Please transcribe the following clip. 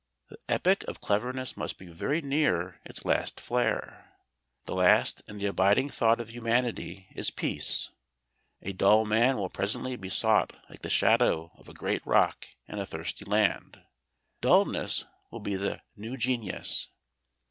This epoch of cleverness must be very near its last flare. The last and the abiding thought of humanity is peace. A dull man will presently be sought like the shadow of a great rock in a thirsty land. Dulness will be the New Genius.